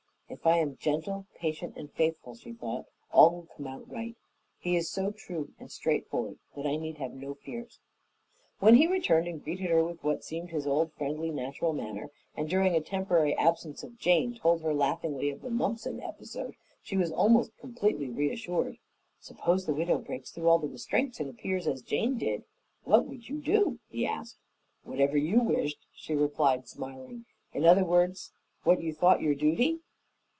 "If I am gentle, patient, and faithful," she thought, "all will come out right. He is so true and straightforward that I need have no fears." When he returned and greeted her with what seemed his old, friendly, natural manner, and, during a temporary absence of Jane, told her laughingly of the Mumpson episode, she was almost completely reassured. "Suppose the widow breaks through all restraint and appears as did Jane, what would you do?" he asked. "Whatever you wished," she replied, smiling. "In other words, what you thought your duty?"